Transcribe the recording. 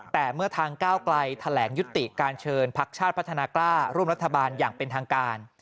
แต่เมื่อทางก้าวไกลแถลงยุติการเชิญพักชาติพัฒนากล้าร่วมรัฐบาลอย่างเป็นทางการ